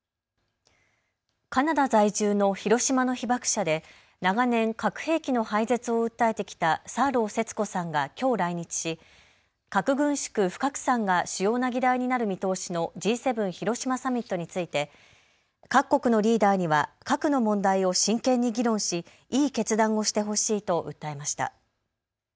カナダ在住の広島の被爆者で長年、核兵器の廃絶を訴えてきたサーロー節子さんがきょう来日し核軍縮・不拡散が主要な議題になる見通しのＧ７広島サミットについて各国のリーダーには核の問題を真剣に議論し、いい決断をしてほしいと訴えました。